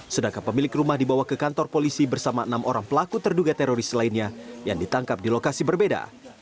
sedangkan pemilik rumah dibawa ke kantor polisi bersama enam orang pelaku terduga teroris lainnya yang ditangkap di lokasi berbeda